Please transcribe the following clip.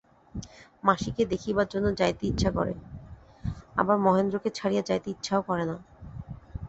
মাসিকে দেখিবার জন্য যাইতে ইচ্ছা করে, আবার মহেন্দ্রকে ছাড়িয়া যাইতে ইচ্ছাও করে না।